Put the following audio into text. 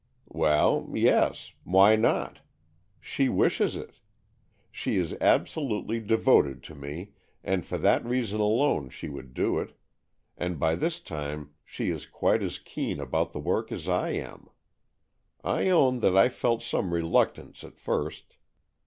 "Well, yes. Why not? She wishes it. She is absolutely devoted to me, and for that reason alone she would do it, and by this time she is quite as keen about the work as I am. I own that I felt some reluctance at first.